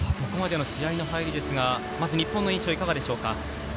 ここまでの試合の入りですが、日本の印象はいかがでしょうか？